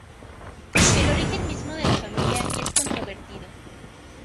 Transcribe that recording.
El origen mismo de la familia es controvertido.